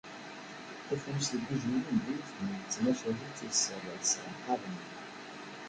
tafunast igujilen d yiwet n tmacahut isserhaben